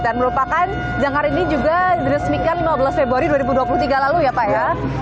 dan merupakan jangkar ini juga diresmikan lima belas februari dua ribu dua puluh tiga lalu ya pak ya